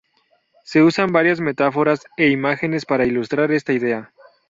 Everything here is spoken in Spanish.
Se usan varias metáforas e imágenes para ilustrar esta idea.